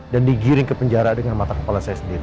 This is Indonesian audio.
dan digiring ke penjara dengan mata kepala saya sendiri